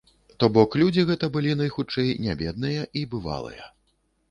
То бок, людзі гэта былі, найхутчэй, не бедныя і бывалыя.